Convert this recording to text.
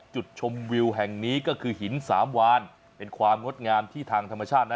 จุดชมวิวแห่งนี้ก็คือหินสามวานเป็นความงดงามที่ทางธรรมชาตินะ